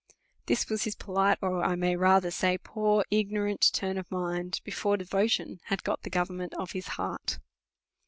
This was his polite, or I may rather say, poor ignorant turn of mind, be fore devotion had got the government of his heart.